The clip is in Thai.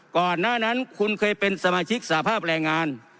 ก่อนหน้านั้นคุณเคยเป็นสมาชิกสภาพแรงงาน